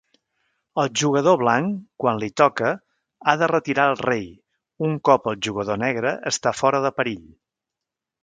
El jugador blanc, quan l'hi toca, ha de retirar el rei un cop el jugador negre està fora de perill.